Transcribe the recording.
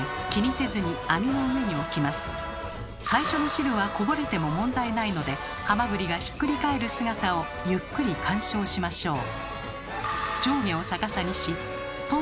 これを踏まえて上下はないのでハマグリがひっくり返る姿をゆっくり鑑賞しましょう。